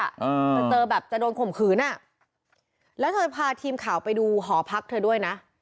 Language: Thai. เธอเจอแบบจะโดนข่มขืนอ่ะแล้วเธอพาทีมข่าวไปดูหอพักเธอด้วยนะ